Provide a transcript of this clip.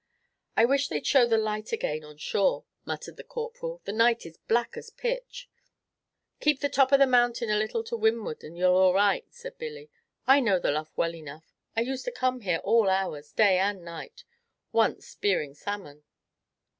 "I wish they'd show the light again on shore," muttered the Corporal; "the night is black as pitch." "Keep the top of the mountain a little to windward, and you 're all right," said Billy. "I know the lough well; I used to come here all hours, day and night, once, spearing salmon."